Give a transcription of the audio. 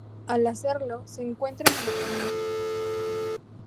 Al hacerlo, se encuentra en el Otro mundo.